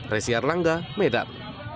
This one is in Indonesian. resiar langga medan